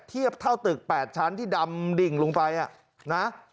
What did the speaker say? เทียบเท่าตึก๘ชั้นที่ดำดิ่งลงไปนะ